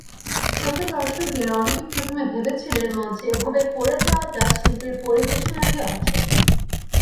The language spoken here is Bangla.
শ্রোতা-দর্শকদের অনেকে প্রথমে ভেবেছিলেন, মঞ্চে ওভাবে পড়ে যাওয়াটা শিল্পীর পরিবেশনারই অংশ।